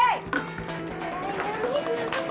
mami apa sih